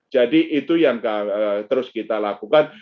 jadi itu yang terus kita lakukan